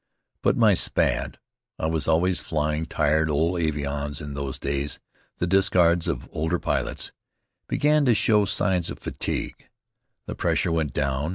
But my Spad (I was always flying tired old avions in those days, the discards of older pilots) began to show signs of fatigue. The pressure went down.